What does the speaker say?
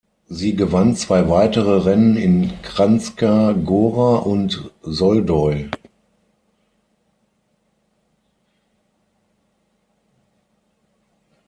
Sie gewann zwei weitere Rennen in Kranjska Gora und Soldeu.